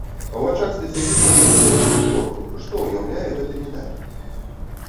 У вачах спецыялістаў гэтага віду спорту што ўяўляе гэты медаль?